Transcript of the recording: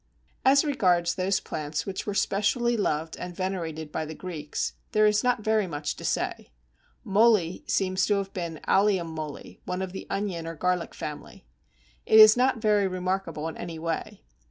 As regards those plants which were specially beloved and venerated by the Greeks, there is not very much to say. Moly seems to have been Allium moly, one of the onion or garlic family. It is not very remarkable in any way.